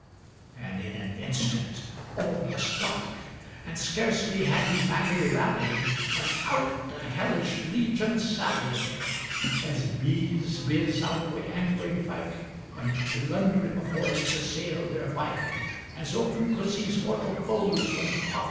And in an instant all was dark; And scarcely had he Maggie rallied, When out the hellish legion sallied. As bees bizz out wi' angry fyke, When plundering hords assail their byke; As open pussie's mortal foes When, pop!